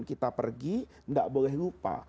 kita pergi nggak boleh lupa